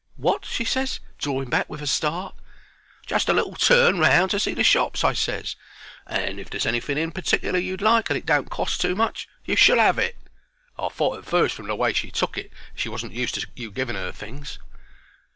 "'Wot?' she ses, drawing back with a start. "'Just a little turn round to see the shops,' I ses; 'and if there's anything particler you'd like and it don't cost too much, you shall 'ave it.' "I thought at fust, from the way she took it, she wasn't used to you giving 'er things.